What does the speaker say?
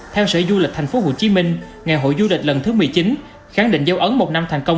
theo sở du lịch tp hcm ngày hội du lịch lần thứ một mươi chín kháng định dấu ấn một năm thành công